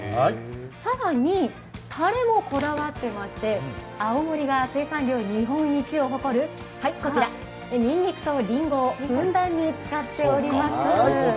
更に、たれもこだわってまして青森が生産量日本一を誇るにんにくとりんごをふんだんに使っております。